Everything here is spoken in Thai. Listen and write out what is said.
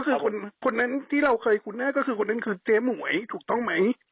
ก็คือคนนั้นที่เราเคยคุ้นหน้าก็คือคนนั้นคือเจ๊หมวยถูกต้องไหม